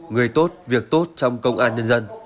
người tốt việc tốt trong công an nhân dân